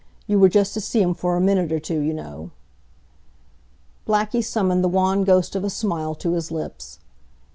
"You were just to see him for a minute or two, you know." Blackie summoned the wan ghost of a smile to his lips.